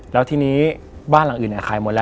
แล้วทีนี้บ้านหลังอื่นขายหมดแล้ว